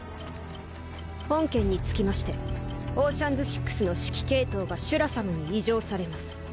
本件につきましてオーシャンズ６の指揮系統がシュラさまに委譲されます。